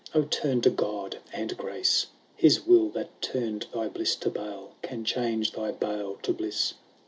O turn to God and grace ! His will, that turned thy bliss to bale, Can change thy bale to bliss."